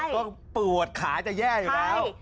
ก็ปวดขาจะแย่อยู่แล้ว